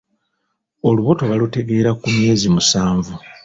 Olubuto balutengera ku myezi musanvu.